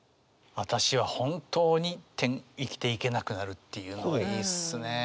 「あたしは本当に、生きていけなくなる」っていうのがいいっすねえ。